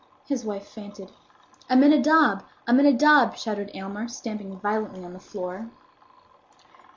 His wife fainted. "Aminadab! Aminadab!" shouted Aylmer, stamping violently on the floor.